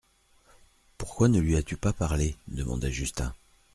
Pourquoi ne lui as-tu pas parlé ? demanda Justin.